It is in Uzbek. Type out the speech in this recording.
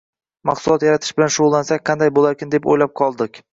mahsulot yaratish bilan shugʻullansak qanday boʻlarkan, deb oʻylab qoldik.